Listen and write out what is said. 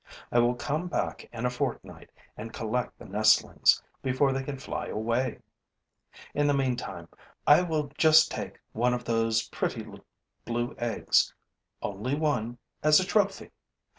I will come back in a fortnight and collect the nestlings before they can fly away. In the meantime, I will just take one of those pretty blue eggs, only one, as a trophy.